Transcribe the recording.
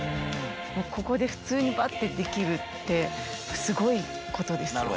ここで普通にばってできるってすごいことですよね。